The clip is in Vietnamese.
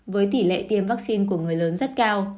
với tỷ lệ tiêm vaccine của người lớn rất cao